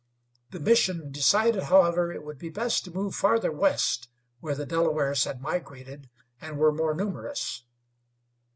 The mission decided, however, it would be best to move farther west, where the Delawares had migrated and were more numerous.